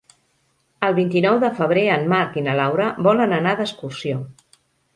El vint-i-nou de febrer en Marc i na Laura volen anar d'excursió.